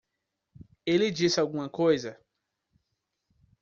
Ele disse alguma coisa?